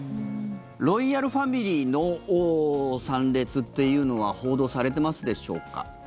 ロイヤルファミリーの参列っていうのは報道されてますでしょうか。